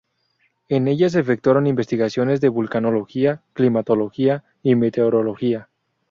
En ella se efectuaron investigaciones de vulcanología, climatología y meteorología.